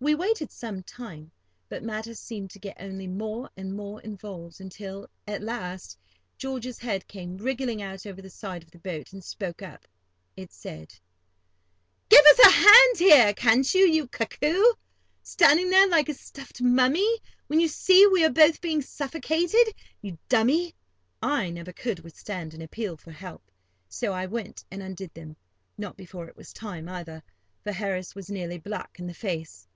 We waited some time, but matters seemed to get only more and more involved, until, at last, George's head came wriggling out over the side of the boat, and spoke up. It said: "Give us a hand here, can't you, you cuckoo; standing there like a stuffed mummy, when you see we are both being suffocated, you dummy!" I never could withstand an appeal for help, so I went and undid them; not before it was time, either, for Harris was nearly black in the face.